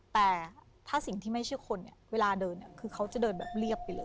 แต่ถ้าสิ่งที่ไม่ใช่คนเนี่ยเวลาเดินเนี่ยคือเขาจะเดินแบบเรียบไปเลย